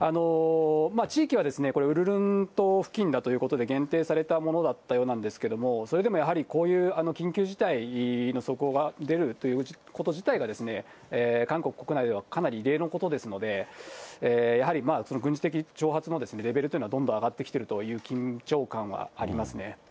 地域はこれ、ウルルン島付近だということで限定されたものだったようなんですけれども、それでもやはりこういう緊急事態の速報が出るということ自体が、韓国国内ではかなり異例のことですので、やはり軍事的挑発のレベルというのは、どんどん上がってきているという緊張感はありますね。